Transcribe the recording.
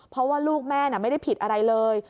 เพราะว่าลูกแม่ไม่ได้ผิดอะไรเลย